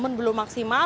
namun belum maksimal